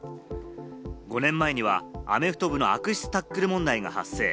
５年前にはアメフト部の悪質タックル問題が発生。